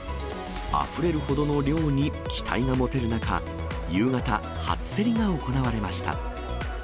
あふれるほどの量に期待が持てる中、夕方、初競りが行われました。